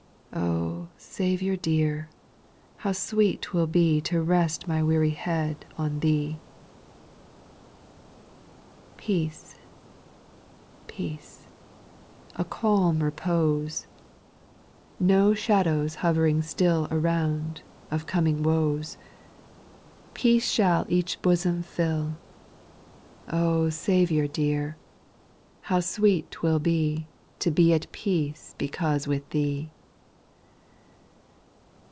Oh, Saviour dear ! how sweet 't will be To rest my weary head on Thee. 2. Peace, peace, a calm repose, No shadows ho v' ring §X\W 17* 198 SPIRITUAL SONGS, Around, of coming woes, Peace shall each bosom fill. Oh, Saviour dear I how sweet 't will bo To be at peace because with Thee.